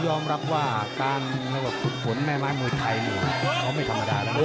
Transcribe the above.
ยอมรับว่าการสุดฝนแม่ม้ายมวยไทยนี่มันไม่ธรรมดาแล้ว